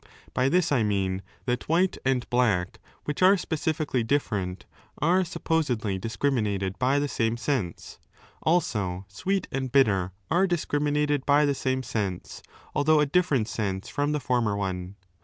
By this I mean that white and black, which are specifically different, are supposedly discriminated by the same sense ; also sweet and bitter are discriminated by the same sense, although a different sense from the former one.